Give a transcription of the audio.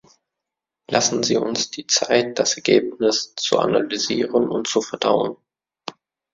Lassen Sie uns die Zeit, das Ergebnis zu analysieren und zu verdauen.